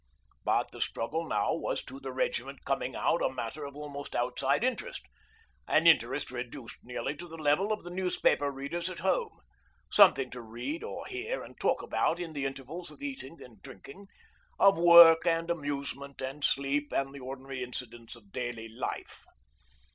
But the struggle now was to the Regiment coming out a matter of almost outside interest, an interest reduced nearly to the level of the newspaper readers' at home, something to read or hear and talk about in the intervals of eating and drinking, of work and amusement and sleep and the ordinary incidents of daily life.